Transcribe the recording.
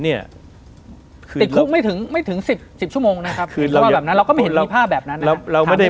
ติดคุกไม่ถึง๑๐ชั่วโมงนะครับเราก็ไม่เห็นมีภาพแบบนั้นนะครับ